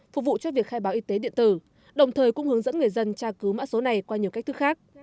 phục vụ cho việc khai báo y tế điện tử đồng thời cũng hướng dẫn người dân tra cứu mã số này qua nhiều cách thức khác